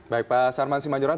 baik pak sarman sembanyoro